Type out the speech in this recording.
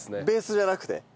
ベースじゃなくて？